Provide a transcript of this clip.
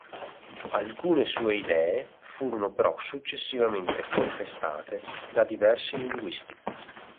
Alcune sue idee furono però successivamente contestate da diversi linguisti.